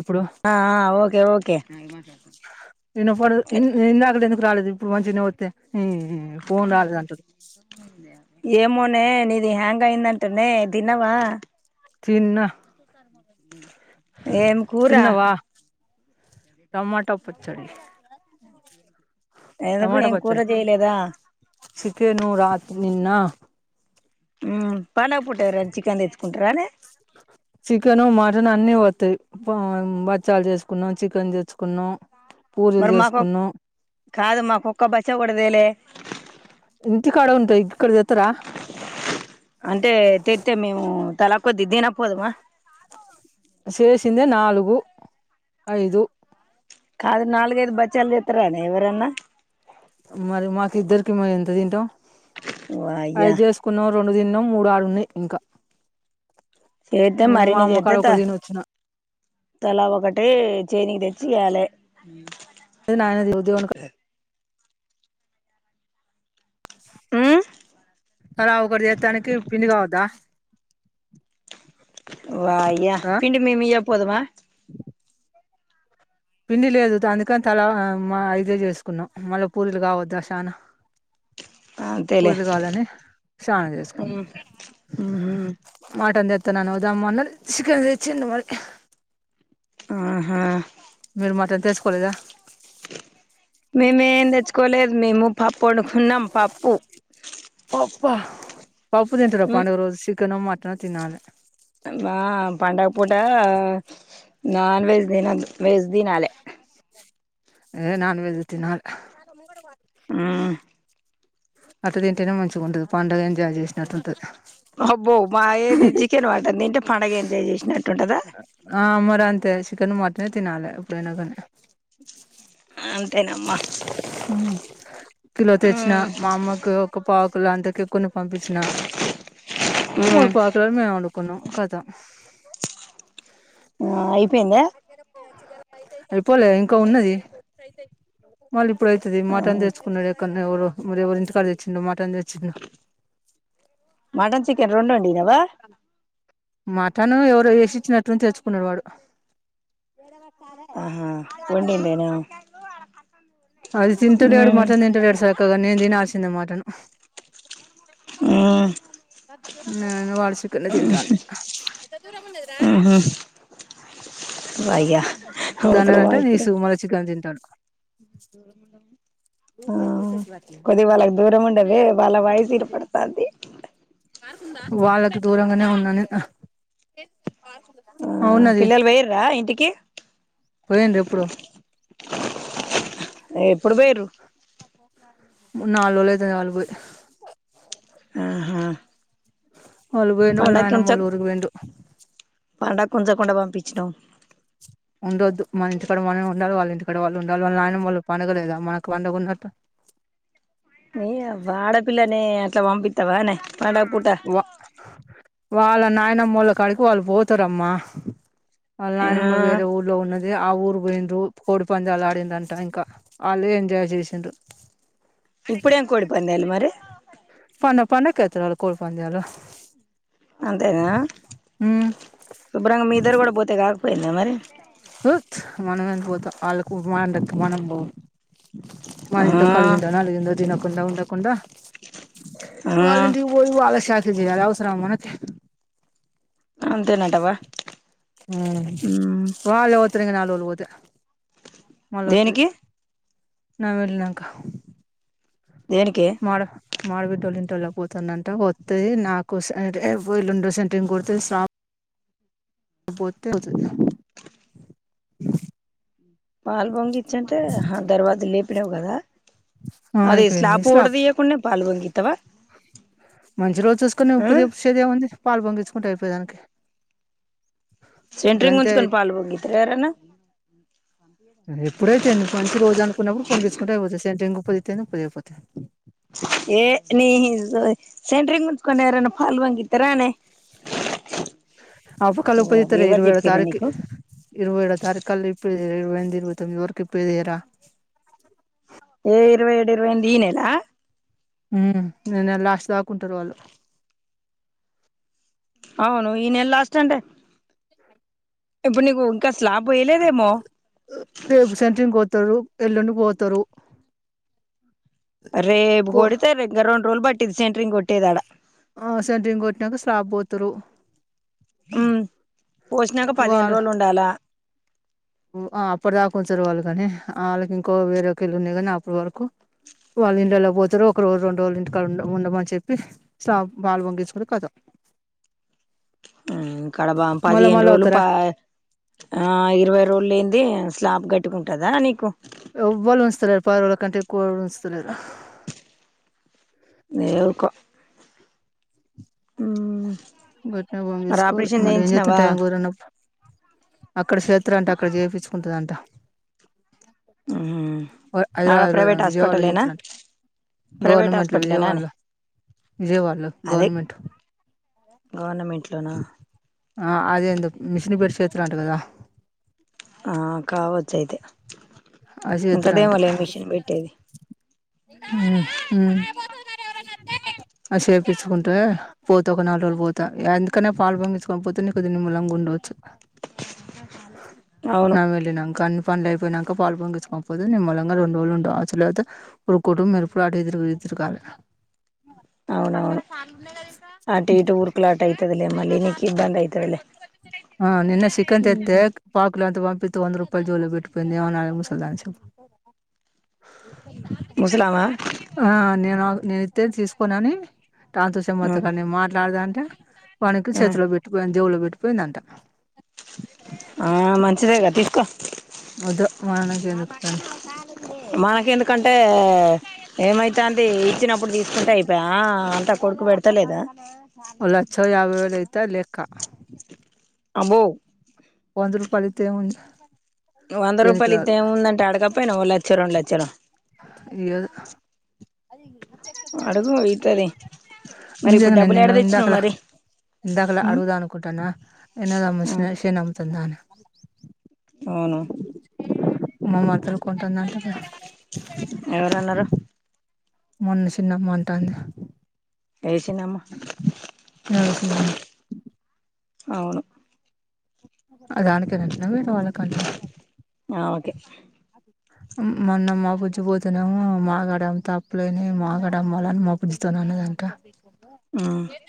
ఇప్పుడు ఆ ఆ ఓకే ఓకే ఇనపడదు ఇన్ ఇందాకల ఎందుకు రాలేదు [unintelligible] ఈ ఫోన్ రాలేదంట ఏమోనే నీది హ్యాంగ్ అయిందంటనే తిన్నవా తిన్నా [inaudible] ఏం కూరా టమాట పచ్చడి. ఎందుకు టమాటా ఏం కూర పచ్చడి చేయలేదా చికెను రాత్రి నిన్న హ్మ్ పండగ పూట ఎవరైన చికెన్ తెచ్చుకుంటారనే. చికెను మటను అన్నీ ఒత్తాయి బచ్చాలు చేసుకున్నాం చికెన్ తెచ్చుకున్నాం పూరీలు మరి మాకు చేసుకున్నాం కాదు మాకు ఒక్క బచ్చా కూ డదేలే ఇంతి కాడ ఉంటాయి ఇక్కడిక్ తెత్తార అంటే తెత్తే మేము తల కొద్ది దినకపోదుమా చేేసిందే నాలుగు ఐదు. కాదు నాలుగైదు బచ్చాల్ చేత్తరానే ఎవరన్నా మరి మాకు ఇద్దరికి మేం ఎంత తింటాం అయి వాయ్యా చేసుకున్నం రొ డు తిన్నం మూడు ఆడున్నాయి ఇంకా. చేద్దే నేను మా మరిన్ని అమ్మకాడ చేద్దే త ఒకటి తినొచ్చిన తలా ఒకటీ చేనికి తెచ్చి ఇయాలే. [unintelligible] మ్మ్ తలా ఒకటి చేత్తానికి పిండి కావద్దా వాయ్య ఆ పిండి మేమియ్య పోదుమా. పిండి లేదు అందుకని తలా మా ఐదే చేసుకున్నాం మళ్ళా పూరీలు కావద్ద చానా అంతేలే పూరీలు కావాలని చానా చేసుకున్నాం ఉహు మటన్. [unintelligible] చికెన్ తెచ్చింది మరి. ఆహా మీరు మాత్రం తెర్చుకోలేదా మేమేం తెచ్చుకోలేదు మేము పప్పు అడుకున్నాం పప్పు వా పాప్పుపు తింటారు పండుగ రోజు చికెన్ మటన్ తిన్నను మా పండగ పూట నాన్ వెజ్ తిన వెజ్ తినాలే ఏ నాన్ వెజ్ త నాలు ఆ అటు తింటేనే మంచిగా ఉంటది పండుగ ఎంజాయ్ చేసినట్టు ఉంటుది అబ్బో మా ఏ చికెన్ పంటంది తింటే పడుగ ఎంజాయ్ చేసినట్టుంటదా ఇప్పుడు అంతే చికెన్ మటనే తినాలి ఇప్పుడైనా కానీ అంతేనమ్మ కిలో తెచ్చిన మా అమ్మకు ఒక పావు క్కులు అంతక ఎక్కుని పంపించిన మూడు పావు కిలో మేం వండు కును కథం ఆ అయిపోయిందా పోలే ఇంకా ఉన్నది సై సై మళ ఇప్పుడుతుది మటన్ తెన్నాడు ఎక్కనే ఎవరి ఎవరు ఇంటికాడ తెచ్చిండో మా మటన్ తెచ్చిండు మటన్ చికెన్ రెండు వడినావా మాటను ఎవరు వేసిచ్చినట్టు తెలుచ్చుకున్నాడు వాడు ఆహా వడిందేనా అది తింతంటడూడు మటన్ తింటాడుెడు సాక్గా నే దిన ఆార్చింద మటన్ ఉమ్ నేను వాళ్ళ చికెన్ తింటాల దూరం ఓయ్య దన్న అంటే నీసు మళ్ళీ చికెన్ తింటాడు ఆ కొద్దిగా వాళ్ళకు దూరం ఉండవే వాళ్ళ వాయిస్ పడుతుంది వాళ్ళకు దూరంగానే ఉన్నాను నేను ఆ ఉన్నది పిల్లలు వేయిర్రా ఇంటికి పోయిండ్రు ఎప్పుడో ఎప్పుడు పోయిర్రు నాలుగు రోజులు అయితాంది వాళ్ళు పోయి. ఆహా వాళ్ళు పోయిర వాళ్ళ నాయనమోళ్ల ఊరుకి పోయిర్లు. పండగకి ఉంచకుండా పంపించినవు. ఇక్కడ వాళ్ళు ఉండాలి వాళ్ళ నాయనమ్మలకు పండగలేదా మనకు పండగున్నట్ నే అవ్వ ఆడపిల్లనే అట్లా పంపిత్తవానే. పండగ పూట వా వాళ్ళ నాయనమ్మళ్ళ కాడికి వాళ్ళు పోతారమ్మా వాళ్ల ఆ నాయనమ్మ వేరే ఊరులో ఉన్నది ఆ ఊరు పోయి కోడి పందాలు ఆడిందంట ఇంకా వాళ్ళే ఎంజాయ్ చేసిండ్రు ఇప్పుడే ఏం కోడి పందాలు మరి. పండ పండకి ఐతాయ్ వాళ్లకి కోడి పందాలు. అంతేనా ఉమ్ శుభ్రంగ మీ ఇద్దరు కూడా పోతే కాదు. దా మరి తుత్ మనమేందుకు పోతా వాళ్ళకు మన లెక్క మనం పోమ్ మనింట్ల ఆ కలిగింత నాలుగుగింద దిన కుంద ఉండకుండా ఆ వాళ్ళింటికి వొయ్ వాళ్ళ చ యాలి అవసరమా మనకి అంతేనంటవా ఊ మ్మ్ వాళ్లే తుంగ నాలుగు రోజులు ఒత మళ్ల ఒత్తది దేనికి న వెళ్ళినంకా దేనికె మా ఆడబిడ్డోళ్ల ఇంటోళ్ళకు పోతాండంట వత్తే నాకోసం [inaudible] పోతే అవుతది పాలు పొంగిచ్చుంటే దరవాజ లేపు డవు కదా అదే అయిపోయింది స్లాప్ స్లాబ్ ఊడదియా కున్న పాలు పొంగి తవా మంచి రోజు చూసుకొని ఉప్పు చేసేది ఏముంది పాలు పొంగించ్చుకుంటే అయిపోయేదానికి సెంట్రింగ్ గంతే ముంచకొని పాల్ పొంగిస్తారా యరనా అ ఎప్పుడైతేంది మంచి రోజాను ఉన్నప్పుడు పొంగించుకుంటయి పోతది సంట్ రింగ్ పదితేయి పది అయిపోతయి ఏ న సెంట్రింగ్ ఉంచకనేవారనా ఫాల్ వంగితారనేే ఆప కల్ ఉపదీతారు ఇరవ ఏళ చెప్పిర్రు తారీఖు నీకు ఇరువ ఏళ్ళ తారీఖ అల్ ఇప్పుద ఇంద ఇరు తవఊకి ఇప్పుిదయరా ఏ ఇరవై ఏడు ఇరవైంద ఈనెలా హమ్ మేనెల లాస్ట్ తాకుంటారు వాళ్ళు అవును ఈనెల లాస్ట్ అంటే ఇప్పుడు నీకు ఇంకా స్లాబ్ వేయలేదేమో రేపు సెంటరింగ్ కోతారు ఎల్లుండి పోతారు రేపు పో గోడితే రింగ రెండురోజుల్ బట్టి ఇది సెంటరింగ్ కొటేది అడా ఆ సెంటరింగ్ కోట్టినాక స్లాబ్ పోతారు పోసినాక పదిహేను వాళ్ళ రోజులు ఉండాలా అప్పటి దాకా ఉంచారు వాళ్ళు కాని వాళ్ళకి ఇంకో వేరేెళ్ళు ఉన్నాయి కానీ అప్పటి వాళ్ళకు వాళ్ళు ఇంట్లోకి పోతారు ఒక రోజు రెండు రోజులు ఇంటికా ఉండ ఉండమని చెప్పి సా బాలు వంగించుకని కతాం కడబ పదిహేను రోజలు అవుతారా ఆ ఇరవై రోల్ లేనింది స్లాబ్ గట్టుకుంటదా నీకు ఎవవాళు ఉంచలేరు పది రోజుల కంటే ఎక్కువ ఉంచితలేరు నేవుకా ఉమ్ గట్టిన బా చేసుకోవాలి మరి ఏం చేతుం టైం కోరన్నప్పుడు అక్కడ చేత్ర అంటే అక్కడ చేయించుకుంటుంది అంట ఉమ్ ఆడ హైదరాబాద్లో ప్రైవేట్ విజయవాడలో హాస్పిటలేనా చేతునట్లు ప్రైవేట్ గవర్నమెంట్లు హాస్పిటలేనా అని విజయవాడలో విజయవాడలో గవర్నమెంట్ గవర్నమెంట్ ఆ అదేంత మిషని బెట్టి చేతులాంట కదా ఆ కావచ్చ అయితే అశిత్రంట ఉంటదేమోలే మిషన్ పెట్టేది ఆ సేపచ్చుకుంటే పోతా ఒక నాలుగు రోజులు పోతా అందుకనే పాలు పొంగించుకొని పోతే నీకుదిీ ని మలంగా ఉండవచ్చు అవును నామె వెలి నం కని పనులు లెపోనంకా పాల్ పొంగించుకోకపోతే నిమ్ మలంగా రెండు రళ్ళు ఉంటావు అలువాత కుటుంబ ఎరుప్పుడు ఆటదురు ఎదురుకాలి అవునవును ఆట ఇటు ఊర్కులు ఆట అయితది మళనికి ఇబందంది యితే వాళలే ఆ నిన్న సిక్కంత ఇ తేక్ పక్లు అంత పంపిత్ వంద్రు ప్పు జోల పెెట్పోయింది అనాలే ముసలమాన్ స ముసలామా ఆ నేను ఆ నేనైతే తీసుకోనని టాన్ తూషం ఉమ్ మొత్తగానీమాట్లాడదా అంటే పనికి ఉమ్ చేతు లో పెట్టుపోయి దవులో పెట్టు పోయింది అంట ఆ మంచిదేగా తీసుకో వద్దు మనకి ఎందుకు గాని మనకి ఎందుకంటే ఏమైతాది ఇచ్చినప్పుడు తీసుకుంటే అయి బా అంతా కొడుకు పెడతలేదా ఓ లచ్చో యావై వేల్ అయితాది లెక్క అబ్బో వంద రూపాయలు ఇస్తే ఏముంది వంద దేనికి రూపాయలు ఇస్తే రాదు ముందంటే అడకప్పయినా ఓ ల లచ్చ రెండు లక్షలో ఈయదు అడుగు ఇత్తది మరి ఇప్పుడు నిజంగా నేను డబ్బులు ఏడ నిన్ను తెచ్చినావు ఇందాకలా మరి ఇందాకలా ఉమ్ అడుగుదాం అనుకుంటున్నా ఎన్నదా ఆ మిన నముతుందా అ అవును అమ్మ మాత్రం కొంటుందంట మరి ఎవరన్నారు మొన్న చిన్నమ్మ అంటాంది ఏ చిన్నమ్మ ఈరోజు చిన్నమ్మ అవును అది అనుకుదన్న వరు వాళ్ళకంటార ఆ ఓకే మొన్న మా బుజ్జిపోతేనేమో మా గాడ అంతా అప్పులయినాయి మా గడ అమ్మాలని మా బుజ్జి తోని అన్నదంట ఉమ్ ఏత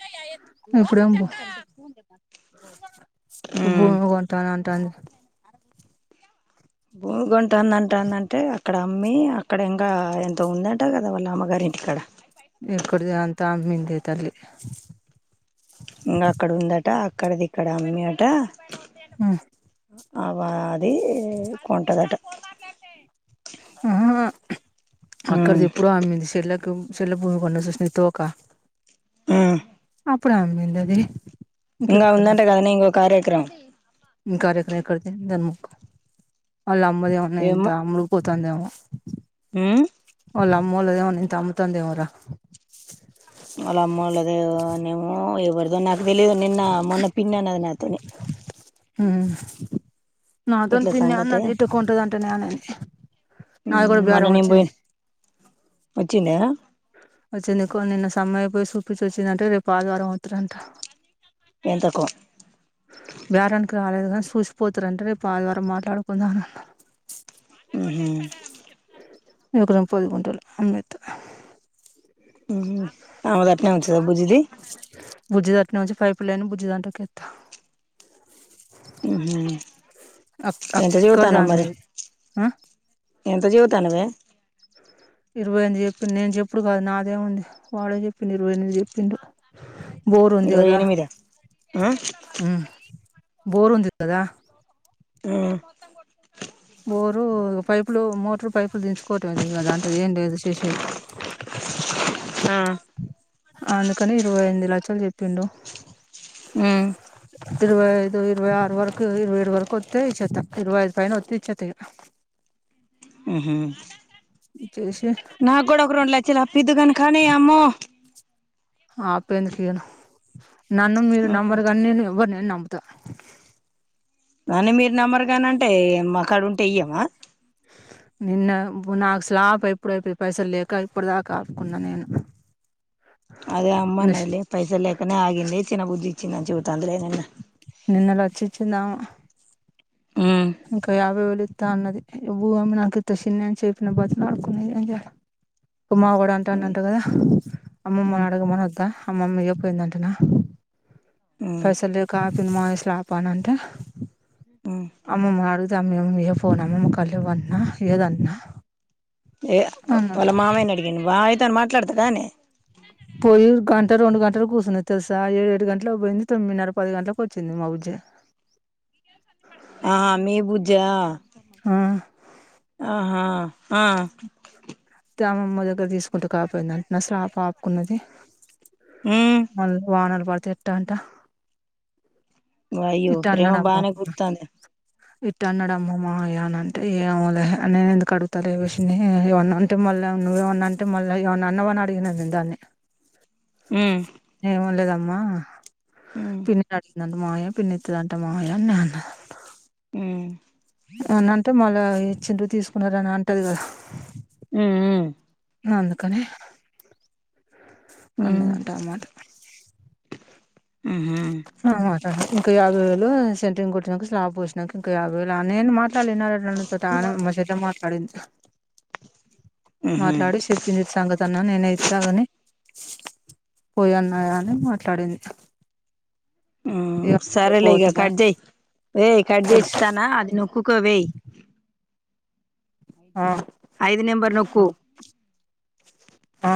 ఇప్పుడేమో బొ ఇప్పుడు ఉమ్ భూమి కొంటాను అంటాందీ భూమి కొం కొంటాం అంటే అత్త అక్కడ అమ్మి అక్కడ ఇంకా ఎంత ఉందంటా కదా వాళ్ళ అమ్మగారి ఇంటికాడ ఎ కొడది అంత అ మిందైతలి అక్కడది ఇక్కడ మమి ఆట ఆ ఆబ అది కొంటదట అహ అక్కడ ఉమ్ ఎప్పుడ అమ్మింది చెల్లలకు చల భూమి కొన్న సూ స్నితవక ఆ అప్పుడు అమ్రిందది ఇంకా ఉందంటే కదనే ఇంకో కార్యక్రమం ఇ కార్యక్రేతే ధన్ము అల్ అమది ఉన్న ఎంత ఏమో అమ్కు తందామ ఊ ఓళమ్మళద ఉని తమ్మ తందేవరా అలా అమ్మ వాళ్దే నవు వర్ద నాకు తెలిదు నిన్న మొన్న పిన్న అన్నద నాతనే హ్మ్ నాతో పిన్ని సంగతి అన్న అది ఇట్టు కొంటంది అంటే ననేని నాకు కూడా మొన్న బేారం నేను వచ్చింది పోయిన వచ్చిండా వచ్చిందికు నిన్న సమ్మయపోయి చూపించి వచ్చిందంటే రేపు ఆదివారం అవుతారంట ఎంతకు వ్యారనికి రాలేదు కానీ చూసిపోతారంటే రేపు ఆదివారం మాట్లాడుకుందా అ ఉహు ఇంకు ద నచ్చ స బుజది బుజదాంట నుంచి పైప్లైన్ బుజదాంటకి ఎత్త ఉహు అ ఎంత అక్క చదువుతానవ్ జను మరి మ ఎంత చీవుతానువే ఇరవై ఎనిమిది చెప్పింది నేను చెప్పుడు కాదు నాదేముంది వాళ్డే చెప్పిం ఇరవై ఎనిమిది చెప్పిం బోర్ ఉంది ఇరవై కదా ఎనిమిదా ఆ బోర్ ఉంది కదా ఆ బోరు పైప్ ఇప్పుడు మోటర్ పైపులు దించుకోవటంఏంది కదాంటే ఏం లేదు చేసేది ఆ అందుకని ఇరవై ఎనిమిది లక్షలు చెప్పిండు హ ఇరవై ఐదు, ఇరవై ఆరు వరకు ఇరవై ఏరు వరకు వత్తే ఇచ్చేత్త ఇరవైదు పైన వత్తే ఇచ్చేత ఇగ ఉహు ఉ నా గోడ ఒక రొంలచ్చలు అప్పుద్దుకని కానీ, అమ్మో ఆ అప్పెందుకియను నన్ను మీరు నమ్మరుగానీ నేన ఎవ్వరినైన్ నమ్ త అని మీరు నమ్మరుగానంటే, మాకాడ ఉంటే ఇయ్యమా నిన్న బ్ నాక్ స్లాప్ ఎప్పుడైపి పైసల్ లేక ఇప్పుడుదాకా ఆపుకున్నా నేను అదే అమ్మ అన్నదిలే పైసల్ లేకనే ఆగింది, చిన బుజి చిన్నం చూతాందేలే నిన్న నిన్న లచ్చ ఇచ్చిందామె ఉమ్ ఇంకా యాభై వెళ్ ఇ తా అన్నది భూ అమ్మి నాకిత్త చినన్ చెప్పిన బతిమాకున ఏంద, మా వొడా అంటానంట ఉమ్ కదా, అమ్మమ్మని అడగమని వత్తా అమ్మమ్మ చెప్పోయింది అంటనా ఉమ్ పైసల్ లేకా సినామాస్ ల్ ఆపాలంటే ఉమ్ అమ్మ మార్ సమయం ఏ ఫోన్ అమ్మమ్మకల్లు పన్నా ఎదన్నా ఏ వాల్ల మామయ్యని అడిగిన్ వా తను మాట్లాడతదానే పోయి గంట రెండు గంటలకు కూస్సున్నది తెల్సా ఏడు గంట్లకు పోయింది, తొమ్మిదిన్నర పది గంట్లకు వచ్చింది మా బుజ్జి జా ఆ ఆహా ఆ కి అమ్మమ్మ దగ్గర తీసుకుంటే కాపోయిందట్న, స్లాప్ ఆపుకున్నది. ఉమ్ మళ్ వానర్ అదెట్ట అంట అయ్యో ప్రేమ బానే కుర్తాందె. ఇట్ అన్నాడమ్మ మావయ్య అనంటే ఏవొలే నేనెందుకు అడుతాలే విస్ని ఏవన్నా అంటే మళ్ళా నువ్వు ఏమన్నాంటే మళ్ళా ఏవన్నవ్, అన్నవని అడిగినది దాన్ని హు ఏవొ లేదమ్మా, ఉమ్ పిన్ని అడిగిందంట మాయ పిన్ని ఇత్తదంట మాయ అన్నా అంట హు అన అంటే మలె చ్చిండ్రు తీసుకున్నారని అంటది కదా ఉమ్ అందుకని ఉమ్ అన్నదంటా అ మాట ఉహు ఇంకా యాభై వేలు సెంటరింగ్ కొట్టినాక స్లాబ్ పోస్నాంక ఇంకా యాభై వేలు అ నే మా ల్ ఇన్నదంట నాతొ తాన్, మా చెల్లె మాట్లాడింది ఉహు మాట్లాడు చెప్పింది సంగత అన్న నేనైతే అగానే పోయాన్నాయా అని మాట్లాడింది ఆ ఇగ సరలే ఇగ పోతున్నా కడ్జెయ్ ఏయ్ కడ్జెతనా అది ను కుకో వేయ ఆ ఐదు నెంబర్ నొక్కు ఆ